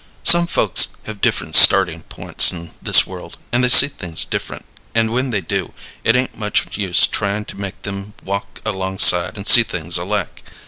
Some folks have different startin' points in this world, and they see things different; and when they do, it ain't much use tryin' to make them walk alongside and see things alike.